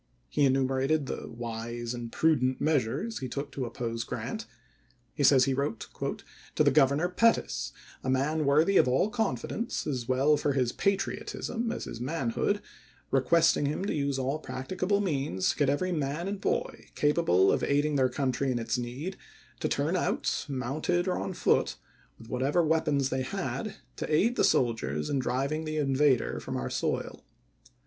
He enumerates the wise and prudent measures he took to oppose Grant. He says he wrote "to the Governor, Pettus, — a man worthy of all confidence, as well for his patriotism as his man hood,— requesting him to use all practicable means to get every man and boy, capable of aiding their country in its need, to turn out, mounted or on foot, with whatever weapons they had, to aid the soldiers in driving the in vader from our soil.